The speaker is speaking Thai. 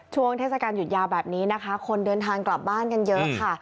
เทศกาลหยุดยาวแบบนี้นะคะคนเดินทางกลับบ้านกันเยอะค่ะ